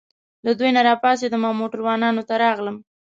له دوی نه راپاڅېدم او موټروانانو ته راغلم.